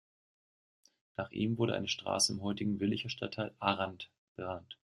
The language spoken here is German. Nach ihm wurde eine Straße im heutigen Willicher Stadtteil Anrath benannt.